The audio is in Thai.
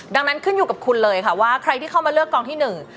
ดังนั้นขึ้นอยู่กับคุณเลยค่ะว่าใครที่เข้ามาเลือกกองที่หนึ่ง